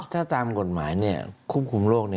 ถ้าตามกฎหมายควบคุมโรค